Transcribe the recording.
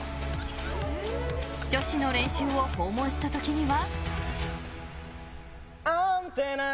女子の練習を訪問した時には。